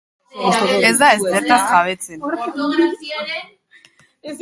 Ez da ezertaz jabetzen.